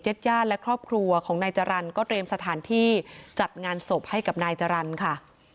ญาติญาติและครอบครัวของนายจรรย์ก็เตรียมสถานที่จัดงานศพให้กับนายจรรย์ค่ะ